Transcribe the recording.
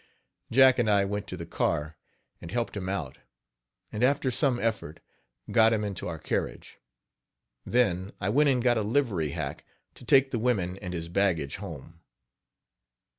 " Jack and I went to the car, and helped him out, and after some effort, got him into our carriage. Then I went and got a livery hack to take the women and his baggage home.